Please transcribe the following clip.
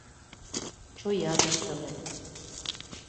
— Чоян ыштыме!